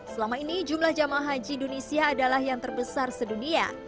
selama ini jumlah jamaah haji indonesia adalah yang terbesar sedunia